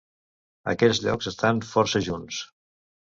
Aquests llocs estan força junts.